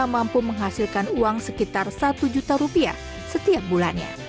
kumbang sekitar rp satu juta setiap bulannya